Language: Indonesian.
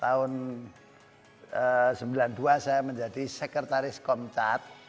tahun sembilan puluh dua saya menjadi sekretaris komcat